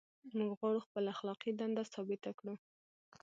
موږ غواړو خپله اخلاقي دنده ثابته کړو.